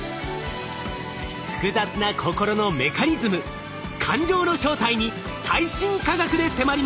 複雑な心のメカニズム感情の正体に最新科学で迫ります。